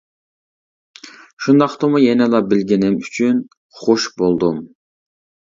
شۇنداقتىمۇ يەنىلا بىلگىنىم ئۈچۈن خۇش بولدۇم.